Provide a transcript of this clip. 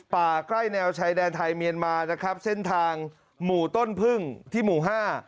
ใกล้แนวชายแดนไทยเมียนมานะครับเส้นทางหมู่ต้นพึ่งที่หมู่ห้า